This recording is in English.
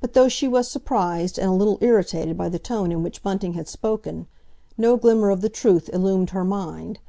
But though she was surprised and a little irritated by the tone in which Bunting had spoken, no glimmer of the truth illumined her mind.